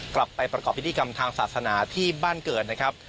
กลับไปประกอบพิธีกรรมทางศาสนาที่บ้านเกิดนะครับ